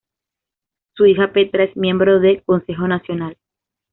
Su hija Petra es miembro de Consejo Nacional.